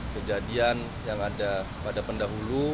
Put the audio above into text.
kejadian yang ada pada pendahulu